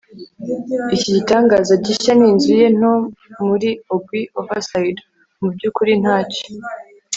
iki gitangaza gishya ni inzu ye nto muri ogui overside. mubyukuri ntacyo